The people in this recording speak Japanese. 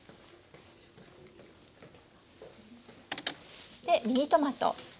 そしてミニトマト。